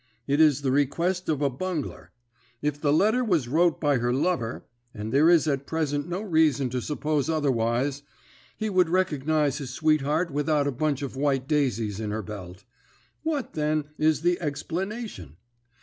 It is the request of a bungler. If the letter was wrote by her lover and there is at present no reason to suppose otherwise he would recognise his sweetheart without a bunch of white daisies in her belt. What, then, is the egsplanation?